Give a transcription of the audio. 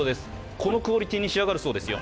このクオリティーに仕上がるそうですよ。